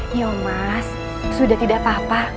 hyomas sudah tidak apa apa